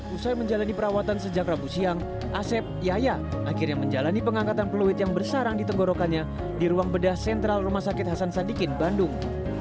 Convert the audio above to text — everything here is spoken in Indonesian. usai menjalani perawatan sejak rabu siang asep yaya akhirnya menjalani pengangkatan peluit yang bersarang di tenggorokannya di ruang bedah sentral rumah sakit hasan sadikin bandung